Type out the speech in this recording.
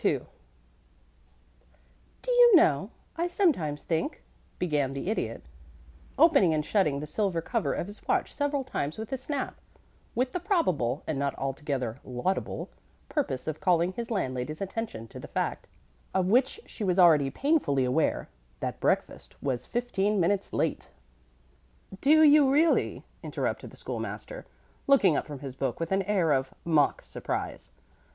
II "Do you know, I sometimes think " began the Idiot, opening and shutting the silver cover of his watch several times with a snap, with the probable, and not altogether laudable, purpose of calling his landlady's attention to the fact of which she was already painfully aware that breakfast was fifteen minutes late. "Do you, really?" interrupted the School master, looking up from his book with an air of mock surprise.